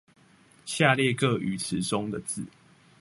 下列各語詞中的字